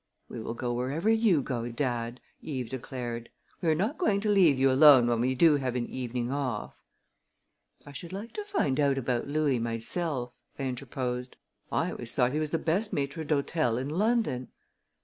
"We will go wherever you go, dad," Eve declared. "We are not going to leave you alone when we do have an evening off." "I should like to find out about Louis myself," I interposed. "I always thought he was the best maître d'hôtel in London."